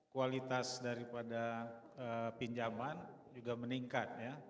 kualitas daripada pinjaman juga meningkat ya